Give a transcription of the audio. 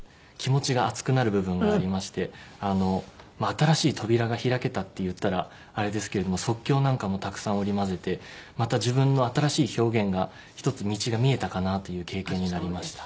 新しい扉が開けたって言ったらあれですけれども即興なんかもたくさん織り交ぜてまた自分の新しい表現が１つ道が見えたかなという経験になりました。